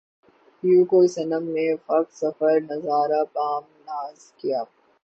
یوں کوئے صنم میں وقت سفر نظارۂ بام ناز کیا